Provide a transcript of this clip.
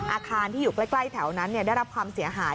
อาคารที่อยู่ใกล้แถวนั้นได้รับความเสียหาย